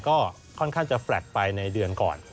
ก็ค่อนข้างจะแฟลตไปในเดือนก่อน